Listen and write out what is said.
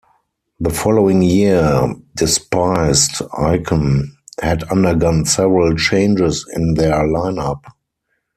The following year, Despised Icon had undergone several changes in their lineup.